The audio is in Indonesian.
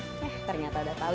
eh ternyata sudah tahu